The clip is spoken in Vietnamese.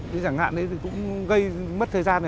thế chẳng hạn thì cũng gây mất thời gian